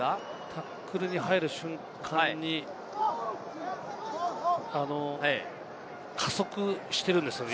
タックルに入る瞬間に加速しているんですよね